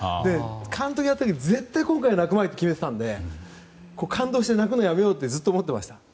監督をやっていて絶対、今回は泣くまいと思っていたので感動して泣くのをやめようってずっと思ってました。